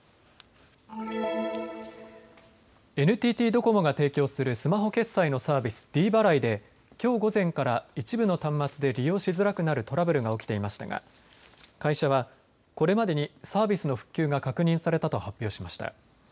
ＮＴＴドコモが提供するスマホ決済のサービス、ｄ払いできょう午前から一部の端末で利用しづらくなるトラブルが起きていましたが会社はこれまでにサービスの復旧が確認されたと発表しました。